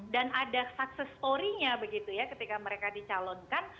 dan ada sukses story nya begitu ya ketika mereka dicalonkan